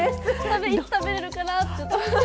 いつ食べれるかなって。